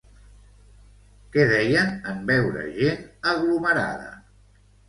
Què deien en veure gent aglomerada?